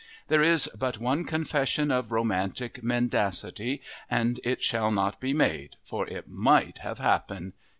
There is but one confession of romantic mendacity and it shall not be made, for it might have happened!